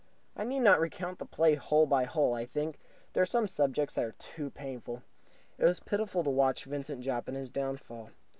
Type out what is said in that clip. I need not recount the play hole by hole, I think. There are some subjects that are too painful. It was pitiful to watch Vincent Jopp in his downfall.